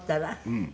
うん。